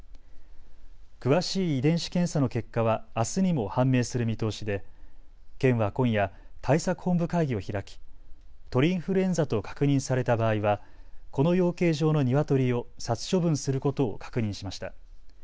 詳しい遺伝子検査の結果はあすにも判明する見通しで県は今夜、対策本部会議を開き鳥インフルエンザと確認された場合はこの養鶏場のニワトリを殺処分することを確認しました。